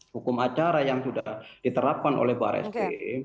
hukum acara yang sudah diterapkan oleh barres krim